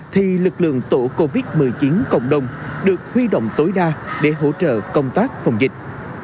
thì lực lượng tổ covid một mươi chín cộng đồng được huy động tối đa để hỗ trợ công tác phòng dịch